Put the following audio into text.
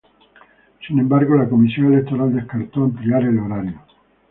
Sin embargo, la Comisión Electoral descartó ampliar el horario.